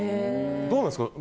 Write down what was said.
どうなんですか？